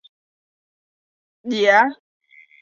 年德阿拉是巴西圣保罗州的一个市镇。